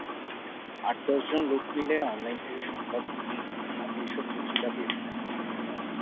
আট-দশজন লোক মিলে অনলাইন থেকে সংবাদ নিয়ে রাতে এসব পত্রিকা বের করে।